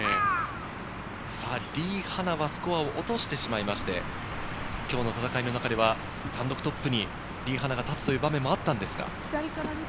リ・ハナはスコアを落としてしまいまして、今日の戦いの中では単独トップにリ・ハナが立つという場面もあったんですが。